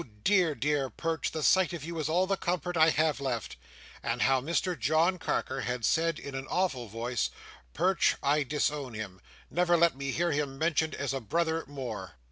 dear dear Perch, the sight of you is all the comfort I have left!" and how Mr John Carker had said, in an awful voice, "Perch, I disown him. Never let me hear him mentioned as a brother more!"